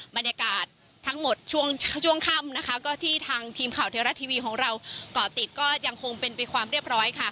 บรรยากาศทั้งหมดช่วงค่ำนะคะก็ที่ทางทีมข่าวเทวรัฐทีวีของเราก่อติดก็ยังคงเป็นไปความเรียบร้อยค่ะ